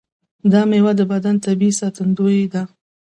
دا میوه د بدن طبیعي ساتندوی ده.